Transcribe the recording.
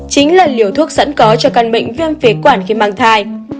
chính là liều thuốc sẵn có cho căn bệnh viêm phế quản khi mang thai